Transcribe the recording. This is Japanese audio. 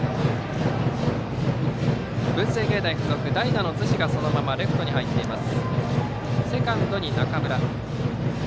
文星芸大付属は代打の圖師がそのままレフトに入っています。